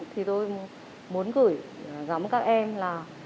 thì tôi muốn gửi gắm các em là